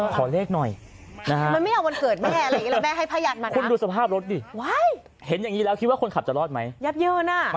ขอเลขหน่อยคุณดูสภาพรถดิเห็นอย่างนี้แล้วคิดว่าคนขับจะรอดไหม